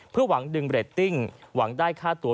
เพื่อหวังดึงเรตติ้งหวังได้ค่าตัว